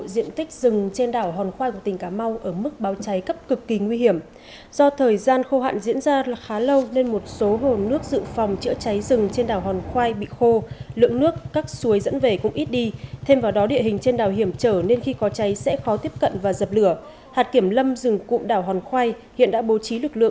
xin được chuyển sang những thông tin khác